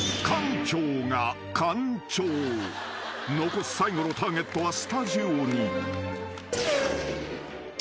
［残す最後のターゲットはスタジオに］